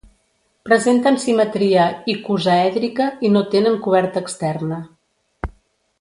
Presenten simetria icosaèdrica i no tenen coberta externa.